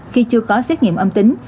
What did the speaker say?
khi chưa có xét nghiệm âm tính